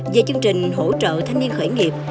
về chương trình hỗ trợ thanh niên khởi nghiệp